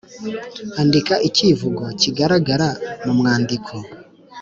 andika ikivugo kigaragara mu mwandiko.